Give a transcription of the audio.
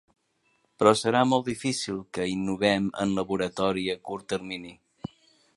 Però serà molt difícil que innovem en laboratori a curt termini.